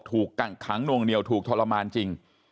กักขังนวงเหนียวถูกทรมานจริง